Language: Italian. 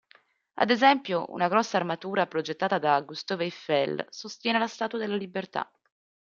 Ad esempio, una grossa armatura progettata da Gustave Eiffel sostiene la Statua della Libertà.